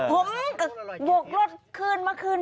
ผมก็บวกลดแค่มาขึ้น